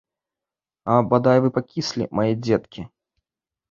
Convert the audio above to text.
А бадай вы пакіслі, мае дзеткі!